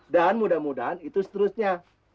mudah mudahan itu seterusnya